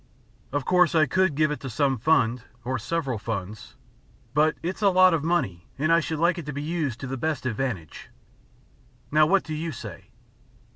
Of course I could give it to some fund, or several funds, but it's a lot of money and I should like it to be used to the best advantage. Now what do you say?"